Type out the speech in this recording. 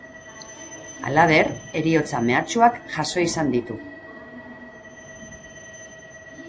Halaber, heriotza mehatxuak jaso izan ditu.